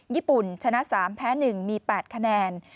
ญี่ปุ่นชนะ๓แพ้๑มี๘คะแนน